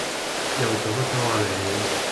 又做乜鳩呀你？